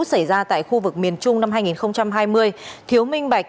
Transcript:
câu chuyện lũ xảy ra tại khu vực miền trung năm hai nghìn hai mươi thiếu minh bạch